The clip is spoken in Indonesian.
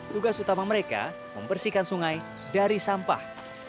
tugas utama mereka membersihkan sungai dari sampah